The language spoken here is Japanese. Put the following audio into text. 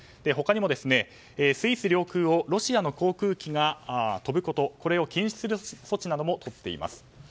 他にもスイス領空をロシアの航空機が飛ぶことこれを禁止する措置などもとっています。